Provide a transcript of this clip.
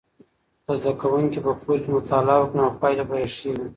که زده کوونکي په کور کې مطالعه وکړي نو پایلې به یې ښې وي.